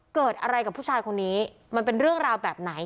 เกิดอะไรกับผู้ชายคนนี้มันเป็นเรื่องราวแบบไหน